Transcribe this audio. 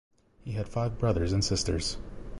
He had five brothers and sisters.